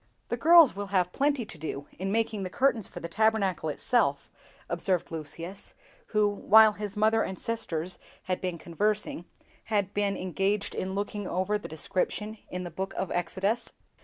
"THE girls will have plenty to do in making the curtains for the Tabernacle itself," observed Lucius, who, while his mother and sisters had been conversing, had been engaged in looking over the description in the book of Exodus.